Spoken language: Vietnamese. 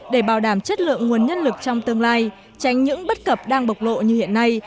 để bảo đảm chất lượng nguồn nhân lực trong tương lai tránh những bất cập đang bộc lộ như hiện nay